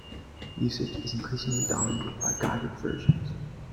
Usage is increasingly dominated by guided versions.